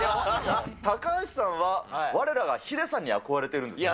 高橋さんは、われらがヒデさんに憧れてるんですよね？